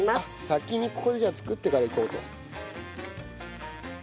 先にここでじゃあ作ってからいこうと。